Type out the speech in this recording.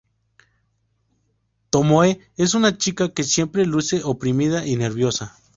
Tomoe es una chica que siempre luce oprimida y nerviosa.